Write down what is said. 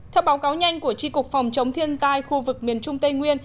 theo báo cáo nhanh của tri cục phòng chống thiên tai khu vực miền trung tây nguyên